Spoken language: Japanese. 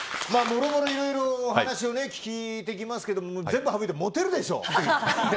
もろもろ、いろいろお話を聞いていきますが全部省いて、モテるでしょ？